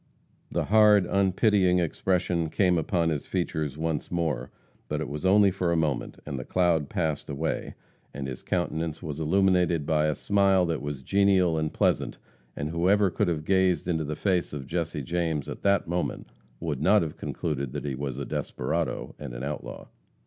The hard, unpitying expression came upon his features once more, but it was only for a moment, and the cloud passed away, and his countenance was illuminated by a smile that was genial and pleasant, and whoever could have gazed into the face of Jesse James at that moment, would not have concluded that he was a desperado and an outlaw.